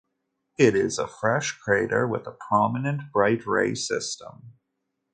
It is a fresh crater with a prominent bright ray system.